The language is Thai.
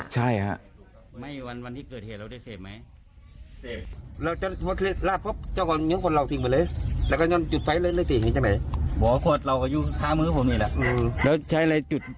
ตายแล้วนั้นอ่ะใช่ฮะไม้อีกวันวันที่เกิดเหตุเราได้เซฟไหม